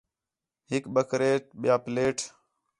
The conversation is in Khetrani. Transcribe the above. ہِک بکریٹ ٻِیا پلیٹ